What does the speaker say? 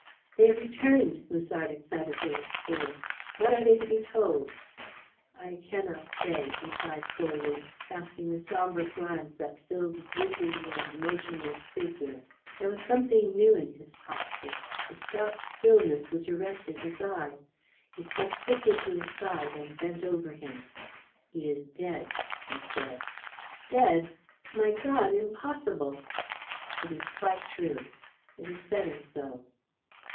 "They have returned!" Musard excitedly exclaimed. "What are they to be told?" "I cannot say," replied Colwyn, casting a sombre glance at Phil's drooping and motionless figure. There was something new in his posture a stark stillness which arrested his eye. He stepped quickly to his side and bent over him. "He is dead," he said. "Dead? My God! Impossible!" "It is quite true. It is better so."